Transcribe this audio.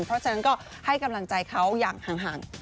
เพราะฉะนั้นก็ให้กำลังใจเขาอย่างห่าง